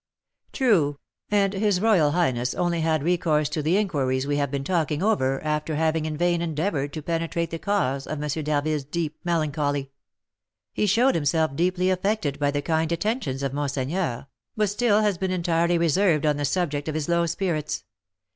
"True, and his royal highness only had recourse to the inquiries we have been talking over after having in vain endeavoured to penetrate the cause of M. d'Harville's deep melancholy; he showed himself deeply affected by the kind attentions of monseigneur, but still has been entirely reserved on the subject of his low spirits.